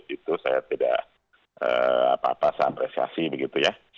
itu saya tidak apa apa seapresiasi begitu ya